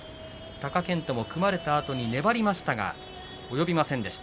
貴健斗も組まれたあとに粘りましたがおよびませんでした。